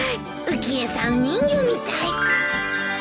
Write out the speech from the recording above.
浮江さん人魚みたい